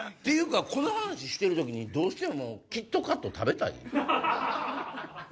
この話してる時にどうしてもキットカット食べたい？